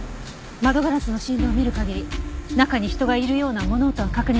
窓ガラスの振動を見る限り中に人がいるような物音は確認できないわ。